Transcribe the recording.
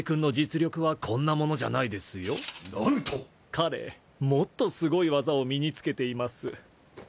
彼もっとすごい技を身につけています。